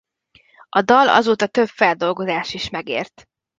A dal azóta több feldolgozást is megért.